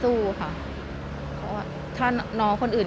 หรือว่าไปเจอคนแปลกหน้าคนอื่น